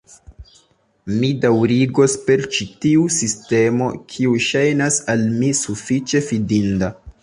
Mi daŭrigos per ĉi tiu sistemo, kiu ŝajnas al mi sufiĉe fidinda.